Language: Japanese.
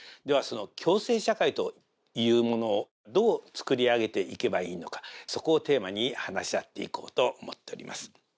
ではその共生社会というものをどうつくり上げていけばいいのかそこをテーマに話し合っていこうと思っております。